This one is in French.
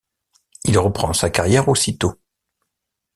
Il reprend sa carrière ausitôt.